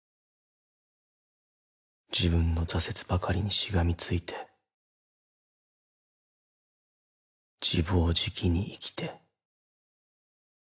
自分の挫折ばかりにしがみついて自暴自棄に生きて。